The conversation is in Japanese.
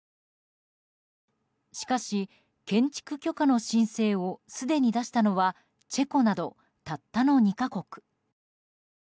しかし、建築許可の申請をすでに出したのはチェコなどたったの２か国。